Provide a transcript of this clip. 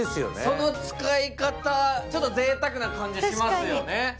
その使い方、ちょっとぜいたくな感じがしますよね。